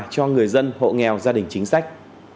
cho người dân hộ nghèo gia đình chính sách